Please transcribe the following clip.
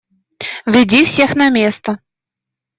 Веди всех на место.